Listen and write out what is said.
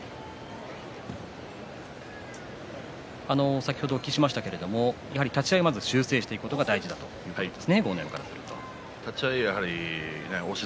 先ほどお聞きしましたけれども立ち合いをまず修正していくことが大事だということです